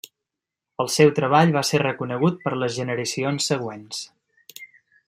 El seu treball va ser reconegut per les generacions següents.